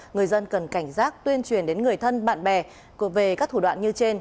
người dân cần cảnh giác tuyên truyền đến người thân bạn bè về các thủ đoạn như trên